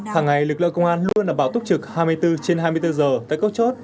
hàng ngày lực lượng công an luôn đảm bảo túc trực hai mươi bốn trên hai mươi bốn giờ tại các chốt